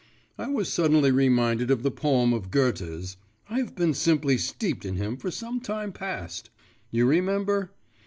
I was suddenly reminded of the poem of Goethe's (I have been simply steeped in him for some time past) … you remember?